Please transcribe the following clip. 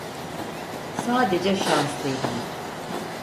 Sadece şanslıydım.